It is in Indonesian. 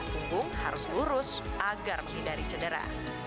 punggung harus lurus agar menghindari cedera